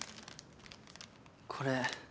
これ。